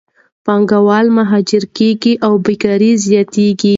پانګهوال مهاجر کېږي او بیکارۍ زیاتېږي.